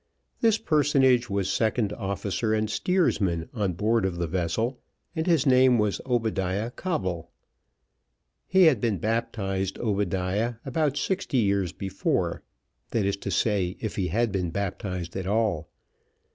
This personage was second officer and steersman on board of the vessel, and his name was Obadiah Coble. He had been baptised Obadiah about sixty years before; that is to say if he had been baptised at all.